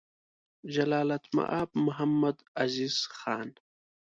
جلالتمآب محمدعزیز خان: